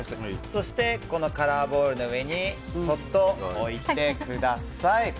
そして、このカラーボールの上にそっと置いてください。